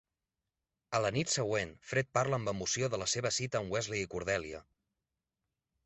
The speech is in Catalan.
A la nit següent, Fred parla amb emoció de la seva cita amb Wesley i Cordelia.